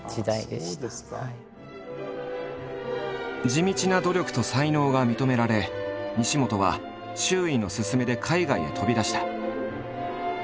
地道な努力と才能が認められ西本は周囲の勧めで海外へ飛び出した。